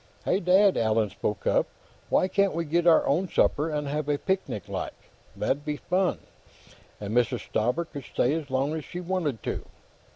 "Hey, Dad!" Allan spoke up. "Why can't we get our own supper, and have a picnic, like? That'd be fun, and Mrs. Stauber could stay as long as she wanted to."